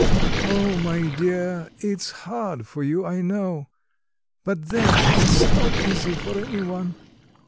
Oh, my dear, it's hard for you, I know; but there, it's not easy for any one.